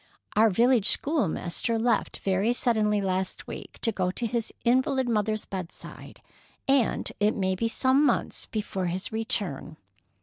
"Our village schoolmaster left very suddenly last week, to go to his invalid mother's bedside, and it may be some months before his return.